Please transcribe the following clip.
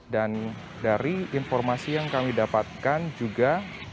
dan dari informasi yang kami dapatkan juga